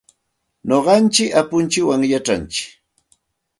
Nuqanchik apuntsikwan yachantsik.